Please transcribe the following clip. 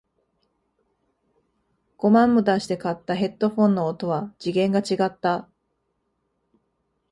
五万も出して買ったヘッドフォンの音は次元が違った